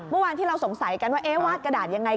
เมื่อวานที่เราสงสัยกันว่าเอ๊ะวาดกระดาษยังไง